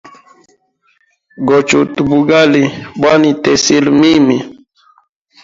Gochuta bugali bwa nitesile mimi.